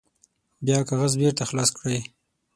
بیا کاغذ بیرته خلاص کړئ.